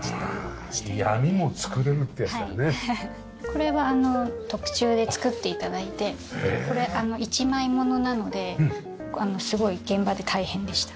これは特注で作って頂いてこれ一枚物なのですごい現場で大変でした。